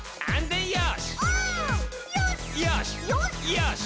「よし！」